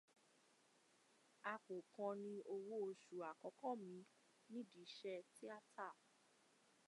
Àpò kan ní owó oṣù àkọ́kọ́ mi nìdí iṣẹ́ tíátà.